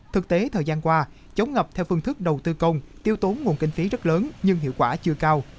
thực tế thời gian qua chống ngập theo phương thức đầu tư công tiêu tốn nguồn kinh phí rất lớn nhưng hiệu quả chưa cao